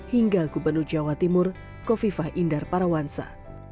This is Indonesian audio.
hingga gubernur jawa timur kofifah indar parawansa